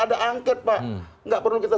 ada angket pak nggak perlu kita